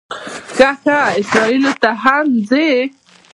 ښه ښه، اسرائیلو ته هم ځې.